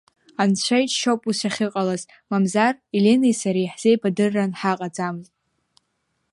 Анцәа иџьшьоуп ус иахьыҟалаз, мамзар Еленеи сареи ҳзеибадырран ҳаҟаӡамызт.